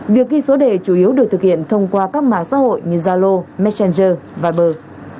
việc ghi số đề chủ yếu được thực hiện thông qua các mạng xã hội như zalo messenger vàber